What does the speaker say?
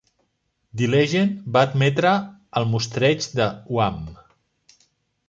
The Legend va admetre el mostreig de Wham!